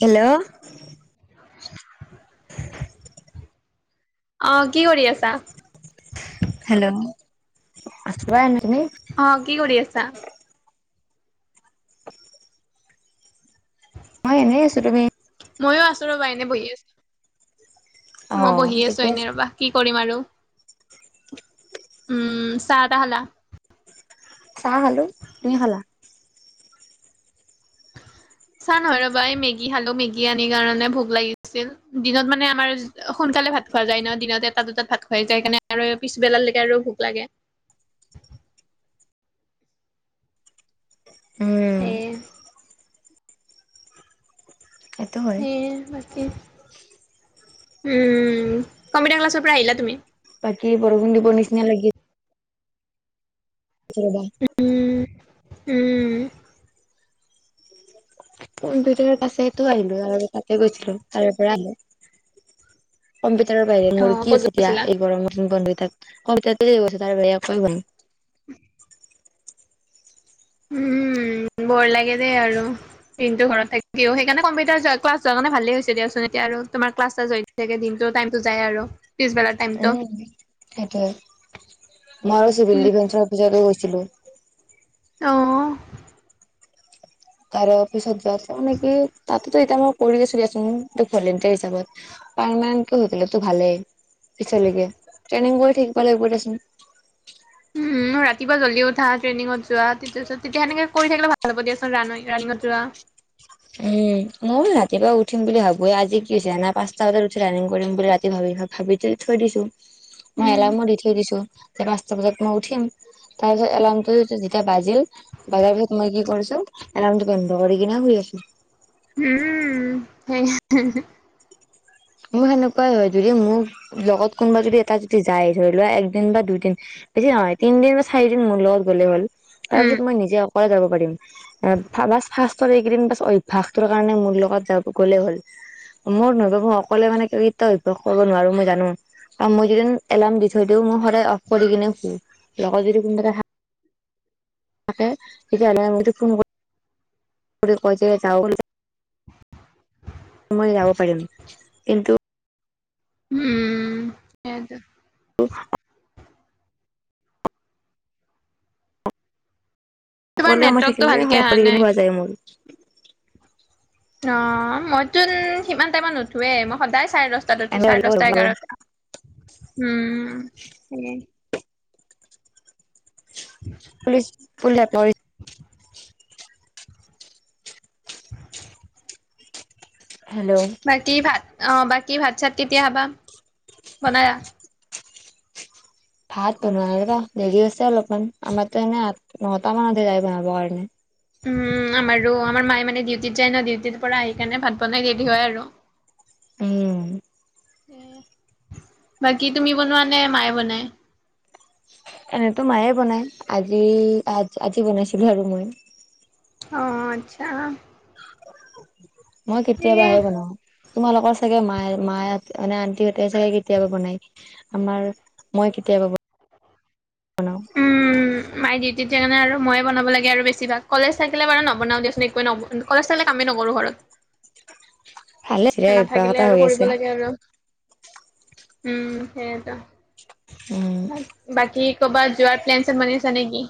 Hello [unintelligible] অ কি কৰি আছা হেল্লো' আছোৱা এনে তুমি অ কি কৰি আছা অ এনে আছো মই আছো ৰবা এনে বহি আছো অ মই বহি আছো ঠিকে আছে এনে ৰবা কি কৰিম আৰু, উম চাহ এ টাহ খালা? চাহ খালো, তুমি খালা? চাহ নহয় ৰবা, এই মেগী খালো মেগী আন কাৰণে ভোক লাগিছিল দিনত মানে, আমাৰ সোনকালে ভাত খোৱা যায় ন দিনত এটা দুটাত ভাত খোৱাই যায় সেইকাৰণে পিছবেলালৈকে আৰু ভোক লাগে উম, সেইটো হয় সেই বাকী উম, কম্পিউটাৰ ক্লাছৰ পৰা আহিলা তুমি বাকী, বৰষুণ দিবৰ নিচিনা লাগি [unintelligible] উম, উম, কম্পিউটাৰৰ পাছেতো আহিলো ত তাতে গৈছিলো তাৰে পৰা আহো কম্পিউটাৰৰ বাহিৰে অ মোৰ কি ক'ত আছে এতিয়া গৈছিলা এই গৰম নতন বন্ধু এটাক কবিতাতে লৈ গৈছে তাৰ বেয়া কৈ ভাল [unintelligible] উম বৰ লাগে দেই আৰু দিনটো ঘৰত থাকে দি সেই কাৰণ কম্পিউটাৰৰ [unintelligible] তেতিকে দিনটোৰ টাইমতো যায় আৰু পিছবেলাৰ টাইমটো উ, সেইটোয়ে মই আৰু চিভিল উম ডিভেসৰ অফিচত গৈছিলো অ', তাৰে পিছত যোৱা মানে, কি তাতেতো এতিয়া মই কৰি চলি আছোন ভলেণ্টিয়াৰ হিচাপত পাৰেন্টো ভালেই পিালকে ট্ৰেইং ব থাকিব লাগিব দেচোন উম, ৰাতিপা জল্দি উঠা, টেইনিঙত যোৱা তাৰ পাছ তেতিয়া সেনেকে কৰি থাকিলে ভাল হ'ব দিয়াচোন ৰা ৰানিঙত যোৱা উম, মইয়ো ৰাতিপুৱা উঠিম বুলি ভাবোৱেই আজ কি হৈছে এনা পাঁচটা বজাত উঠি ৰানিং কৰিম বুলি ৰাতি ভাবি ভাবি থ থৈ দিছো মই উম এলাৰ্মো দি থৈ দিছো, যে পাঁচটা বজাত মই উঠিম তাৰ পিছত এলাৰ্মটো এতিয়া বাজিল বাজাৰ পিছত মই কি কৰিছো এলাৰ্মটো বন্ধ কৰি কিনে শুই আছো উম, সেই মোৰ সেনেকুৱাই হয়, যদি মোক লগত কোনোবা যদি এটা যদি যায় ধৰি লোৱা একদিন বা দুইদিন বেছি নহ তিদিন বা চাৰিদিন মোৰ লগত গ'লে হ'ল তাৰ উম পিছত, মই নিজে অকৰালে যাব পাৰিম ফ্ কেইদিন পাছ অভায়াস তটোৰ কাৰণে মোৰ লগত যাব গ'লে হ'ল মোৰ নবব ক'লে মানেয়া অভ্যাস কৰিব নোৱাৰো মই জানো আৰু মই যদি এলাৰ্ম দি থৈ দিও, মই সদায় অফ কৰি কিনে শু লগত যদি কোনবা থাকে তেতিয়াহ'লে মইতো ফোন কৰি কয় যে যাওঁ বুলি [unintelligible] মই যাব পাৰিম কিন্তু উম, সেইটো অ', তোমাৰ সকলোৱে মই নেটৱৰ্কটো থাকিলোে ভালকে সহ অহা কৰি নাই কিনি পোৱা যায় মোৰ অ', ইতোন সিমান টাইমমান নুঠোৱেই মই সদায় চাই দছো তো চাৰে দহটা মোৰ এঘাৰটা উম [inaudible] [unintelligible] হেল্ল'। বাকী ভাত অ' বাকী ভাত চাত কেতিয়া খাবা? বনায়া ভাত বনোৱা নাই, দেৰি আছে অলপমান আমাৰ কাৰণে আঠ নটা মানতহে যায় বনাবৰ কাৰণে। উম, আমাৰো আমাৰ মায়ে মানে ডিউটিত যায় ন ডিউটিৰ পৰা আহি কেনে ভাত বনাই দেৰি হয় আৰু। উম। এ, বাকী তুমি বনোৱা নে মায়ে বনাই? এনেতো মায়ে বনাই। আজি আ-আজি বনাইছিলো আৰু মই। অ' আচ্ছা। মই সেয়ে কেতিয়াবাহে বনাওঁ। তোমালোকৰ চাগে, মায়ে -মায়ে মানে আন্টিহঁতে চাগে কেতিয়াবা বনায়। আমাৰ মই কেতিয়াবা উম। মাই ডিউটিত সেই কাৰণে আৰু ময়ে বনাব লাগে আৰু বেছিভাগ। কলেজ থাকিলে বাৰু নবনাওঁ দিয়াচোন। একোৱে ন কলেজ থাকিলে কামেই নকৰোঁ ঘৰত। ভালে চিৰা অভ্যাস নাথাকিলে এটা আৰু হৈ কৰিব আছে লাগে আৰু। উম। সেয়েতো। উম বাকী কৰ'বাত যোৱাৰ প্লেন -চেন বনিছা নেকি?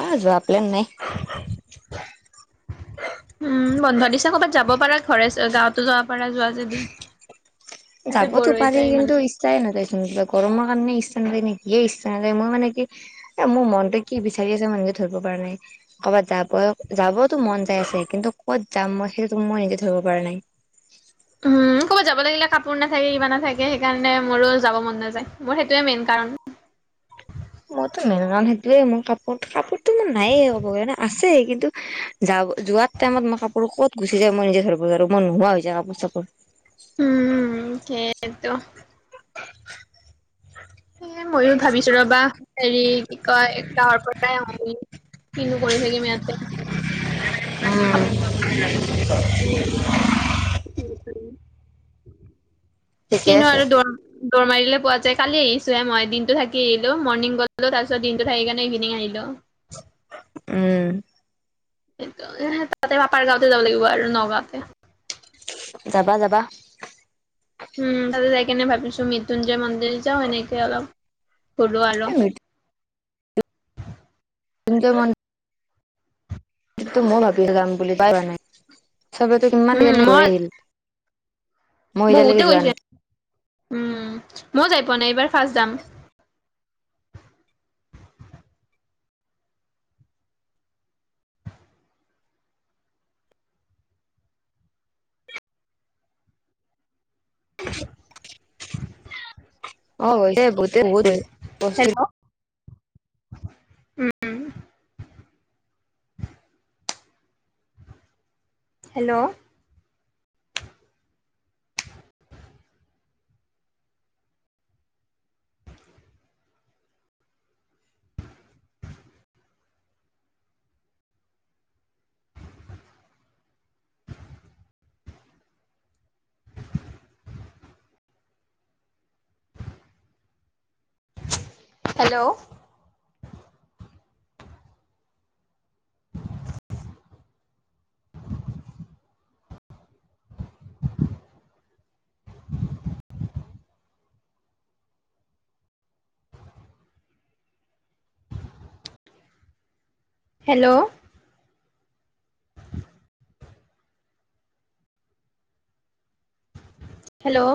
অ'হ। যোৱাৰ প্লেন নাই। উম। বন্ধ দিছে ক'বাত যাব পাৰা। ঘৰে, গাঁৱতো যাব পাৰা যোৱা যদি। তাতে বৰ যাবতো হৈ পাৰি, যায় কিন্তু মানুহ। ইচ্ছাই নাযায়চোন কিবা। গৰমৰ কাৰণে ইচ্ছা নাযায় নেকিয়ে? কিয়ে ইচ্ছা নাযায়, মই মানে কি এ। মোৰ মনটোয়ে কি বিচাৰি আছে, মই নিজে ধৰিব পৰা নাই। ক'বাত য বয়ক। যাবইতো মন যাই আছে। কিন্তু ক'ত যাম মই, সেইটো মই নিজে ধৰিব পৰা নাই। উম। ক'বাত যাব লাগিলে, কাপোৰ নাথাকে। কিবা নাথাকে। সেইকাৰণে মোৰো যাব মন নাযায়। মোৰ সেইটোৱে মেইন কাৰণ। মইতো [unintelligible] সেইটোৱে। মোৰ কাপোৰ- কাপোৰতো মোৰ নায়েই। ক'ব কাৰণে মানে আছে, কিন্তু যাব, যোৱাত টাইমত মই কাপোৰ ক'ত গুচি যায়, মই নিজে ধৰিব নোৱাৰো। মই নোহোৱা হৈ যায় কাপোৰ -চাপোৰ। উম, সেয়েটো। [inaudible] এ, ময়ো ভাবিছো। ৰবা, হেৰি কি কয় -গাঁৱৰ পৰাই আহো বুলি। কিনো কৰি থাকিম ইয়াতে। উম। উম। [unintelligible] ঠিকে কিনো আছে। আৰু দ'আ- দৌৰ মাৰিলে পোৱা যায়। কালি আহিছোহে মই। দিনটো থাকি আহিলো। মৰ্ণিং গলো, তাৰপিছত দিনটো থাকি কেনে ইভেনিং আহিলো। উম। সেয়েটো [unintelligible] পাপাৰ গাওঁতে যাব লাগিব আৰু। নগাওঁতে। যাবা। যাবা। উম। তাতে যাই কেনে ভাবিছো, মৃত্যুঞ্জয় মন্দিৰ যাওঁ। এনেকে অলপ ঘূৰো এ আৰু। [unintelligible] ঞ্জয় মন সেইটো ময়ো [unintelligible] বুলি যোৱা নাই। চব তো কিমান উম, দিন গৈ মই আহিল। বহুতে গৈছে। উম। ময়ো যাই পোৱা নাই। এইবাৰ ফাছ যাম। [unintelligible] [inaudible] অ' গৈছে। বহুতে গল। হেল্ল'। উম। Hello. Hello. Hello. [inaudible] Hello.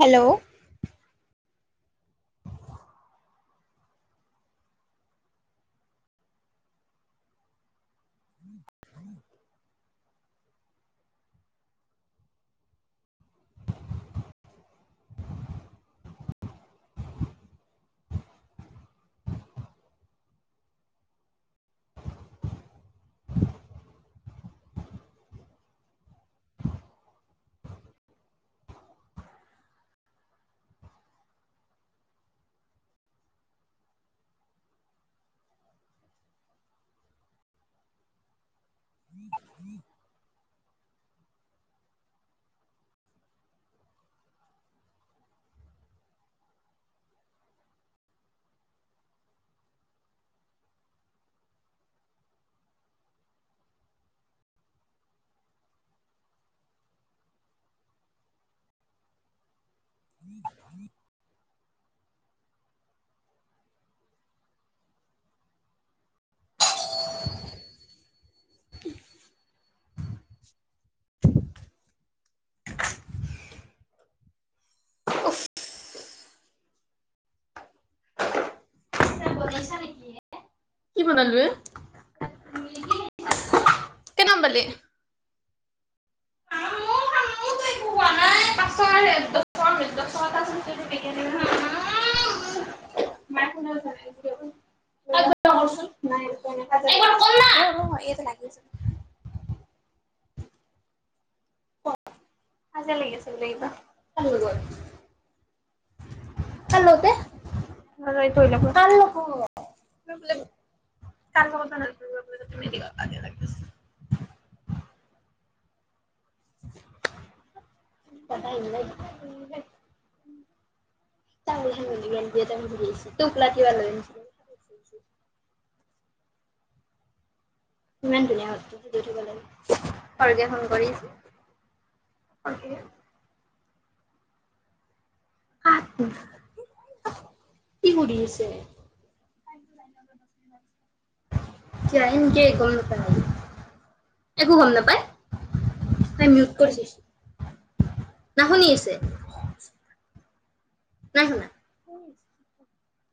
Hello. [inaudible] [inaudible] [inaudible] [unintelligible] বনাইছা নেকিএ? কি বনালো এ? কেনম পালি। আৰে দছ টকা -দছ টকা এটা আছে, সেইটোৱে মেগি আনিম হা। [unintelligible] কৰচোন [unintelligible] এইটো লাগি আছে। কাজিয়া লাগি আছে বুলে কিবা, কাৰ লগত? কাৰলগত এ [unintelligible] বোলে ক, ক, কথা নালোলে তুমি লাগিছ [inaudible] [unintelligible] তোক ল কিবা [unintelligible] ইমান ধুনীয়া হলৈ উঠিব লাগে সৰ্কে ফোন কৰিছে। আ, কি কৰি আছে। [inaudible] কাই নেকি গম নাপায় একো গম নাপায়। তাই মিউট কৰি না শুনি আছে। নাই শুনা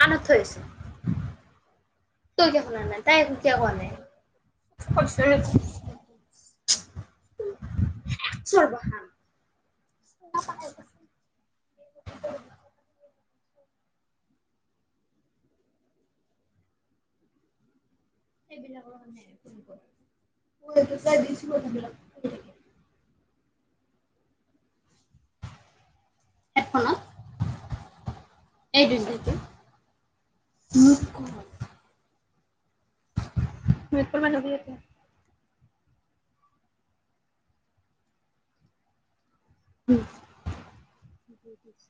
আনত থৈ আছো। তই কিয় শুনা নাই, তাই একো কিয় কোৱা নাই। [inaudible] [inaudible] [inaudible] সেইবিলাকৰ মে মই চাই দিছিলো সেইবিলাক [inaudible] [inaudible] উম।